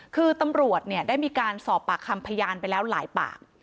คือตำรวจได้มีการสอบปากคำพยานไปแล้วหลายปาก